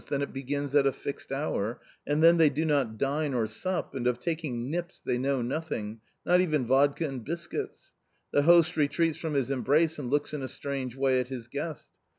then it begins at a fixed hour, and then they do not dine or sup, and of taking " nips " they know nothing — not even vodka and biscuits. The host retreats from his embrace and looks in a strange way at his guest.